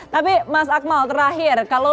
tapi mas akmal terakhir kalau